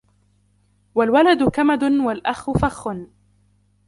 وَالْوَلَدُ كَمَدٌ وَالْأَخُ فَخٌّ